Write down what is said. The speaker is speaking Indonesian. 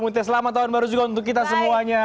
muntah selamat tahun baru juga untuk kita semuanya